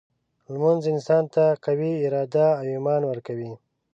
لمونځ انسان ته قوي اراده او ایمان ورکوي.